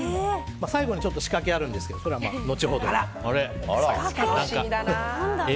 最後にちょっと仕掛けがあるんですけどそれは後ほど。